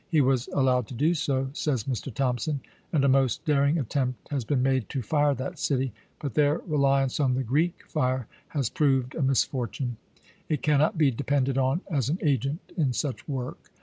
" He was allowed to do so," says Mr. Thompson ;" and a most daring attempt has been made to fire that city, but their reliance on the Greek fire has proved a mis fortune. It cannot be depended on as an agent in such work.